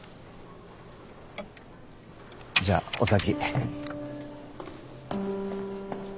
じゃあお先。